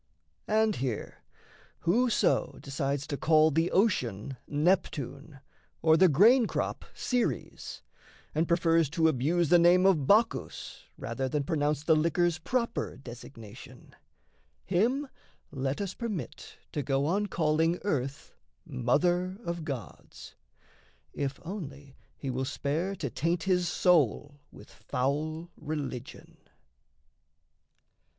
And here, whoso Decides to call the ocean Neptune, or The grain crop Ceres, and prefers to abuse The name of Bacchus rather than pronounce The liquor's proper designation, him Let us permit to go on calling earth Mother of Gods, if only he will spare To taint his soul with foul religion.